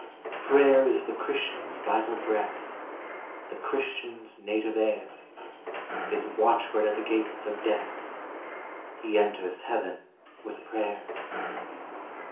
Prayer is the Christian's vital breath The Christian's native air His watchword at the gates of death He enters heaven with prayer.